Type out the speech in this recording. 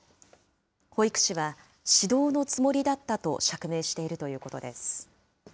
保育士は指導のつもりだったと釈明しているということです。